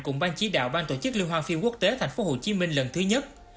cùng ban chí đạo ban tổ chức liên hoan phim quốc tế thành phố hồ chí minh lần thứ nhất